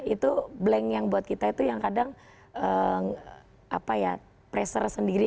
itu blank yang buat kita itu yang kadang pressure sendiri